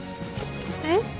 えっ？